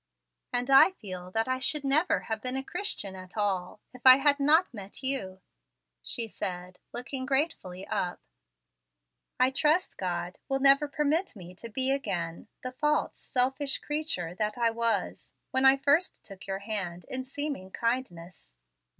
"And I feel that I should never have been a Christian at all if I had not met you," she said, looking gratefully up. "Whatever may be the future, as you cay, I trust God will never permit me to be again the false, selfish creature that I was when I first took your hand in seeming kindness."